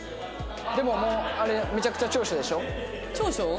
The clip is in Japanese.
でももうめちゃくちゃ長所でしょ？長所？